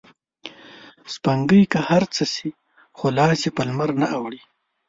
سپوږمۍ که هر څه شي خو لاس یې په لمرنه اوړي